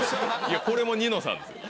これも『ニノさん』です。